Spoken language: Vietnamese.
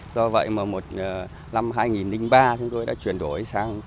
do vậy mà năm hai nghìn ba chúng tôi đã chuyển đổi